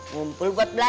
ngumpul buat belajar